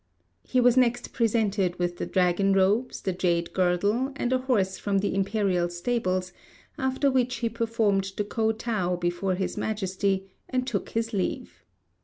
He was next presented with the dragon robes, the jade girdle, and a horse from the imperial stables, after which he performed the ko t'ow before His Majesty and took his leave.